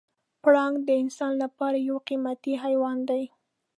پړانګ د انسان لپاره یو قیمتي حیوان دی.